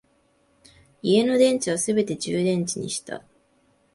家の電池はすべて充電池にした